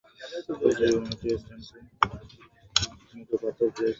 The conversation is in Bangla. ও, কী যে বলো না।